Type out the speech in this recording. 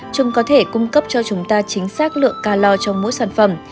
chúng có thể cung cấp cho chúng ta chính xác lượng calor cho mỗi sản phẩm